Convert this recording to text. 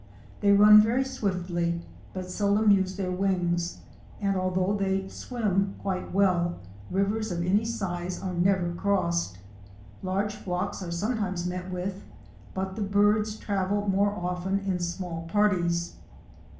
They run very swiftly but sel dom use their wings, and although they swim quite well, rivers of any size are never crossed. Large flocks are some times met with, but the birds travel more often in small parties.